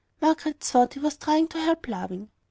Margaret thought he was trying to help laughing.